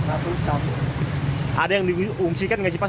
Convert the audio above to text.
ada yang diungsikan nggak sih pak